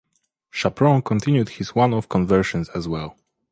Chapron continued his one-off conversions as well.